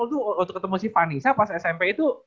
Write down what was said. waktu ketemu si fannisa pas smp itu